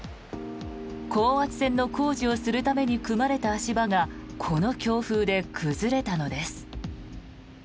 高圧線の工事をするために組まれた足場がこの強風で崩れたのです。